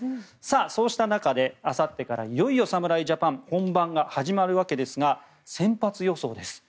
そういった中で、あさってからいよいよ侍ジャパン本番が始まるわけですが先発予想です。